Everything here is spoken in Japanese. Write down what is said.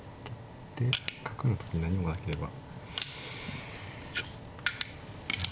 で角の時何もなければ。